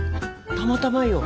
たまたまよ。